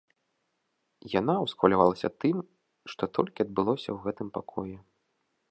Яна ўсхвалявалася тым, што толькі адбылося ў гэтым пакоі.